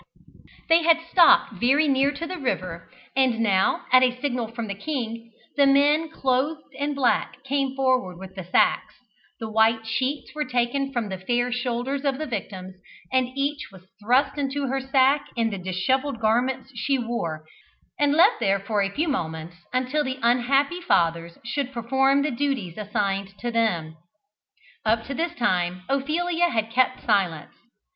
They had stopped very near to the river, and now, at a signal from the king, the men clothed in black came forward with the sacks, the white sheets were taken from the fair shoulders of the victims, and each was thrust into her sack in the dishevelled garments she wore, and left there for a few moments until the unhappy fathers should perform the duties assigned to them. Up to this time Ophelia had kept silence.